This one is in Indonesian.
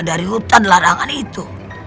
dari hutan larangan itu